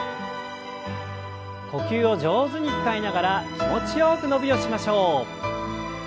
呼吸を上手に使いながら気持ちよく伸びをしましょう。